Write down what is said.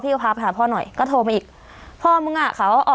ก็พาไปหาพ่อหน่อยก็โทรมาอีกพ่อมึงอ่ะเขาออก